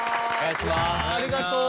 ありがとう。